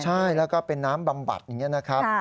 ใช่แล้วก็เป็นน้ำบำบัดอย่างนี้นะครับ